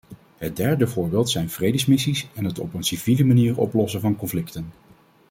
Het derde voorbeeld zijn vredesmissies en het op een civiele manier oplossen van conflicten.